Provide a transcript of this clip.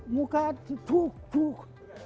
muka buk buk